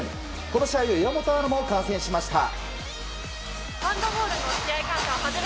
この試合、岩本アナも観戦しました。